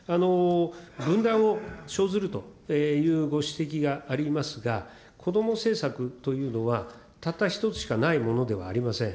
分断を生ずるというご指摘がありますが、こども政策というのは、たった一つしかないものではありません。